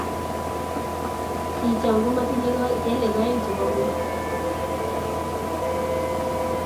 Kicham komatinyei kelek oeng chebo ngony